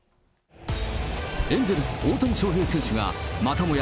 エンゼルス、大谷翔平選手がまたもや